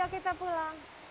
yuk kita pulang